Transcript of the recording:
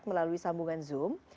melalui sambungan zoom